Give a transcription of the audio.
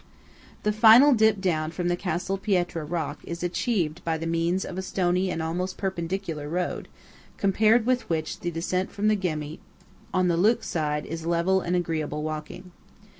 CASTEL PIETRA. The final dip down from the Castel Pietra rock is achieved by means of a stony and almost perpendicular road, compared with which the descent from the Ghemmi on the Leuk side is level and agreeable walking.